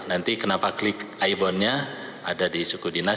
nanti kenapa klik ibonnya ada di suku dinas